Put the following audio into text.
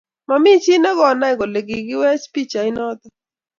mami chii ne konai kole kokiwech pichait notok